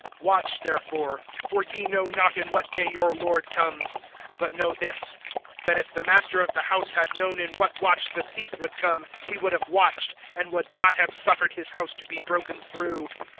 (42)Watch therefore; for ye know not in what day[24:42] your Lord comes. (43)But know this, that if the master of the house had known in what watch the thief would come, he would have watched, and would not have suffered his house to be broken through.